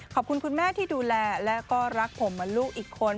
ขอบคุณคุณแม่ที่ดูแลและก็รักผมเหมือนลูกอีกคน